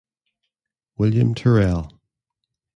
William Tyrrell.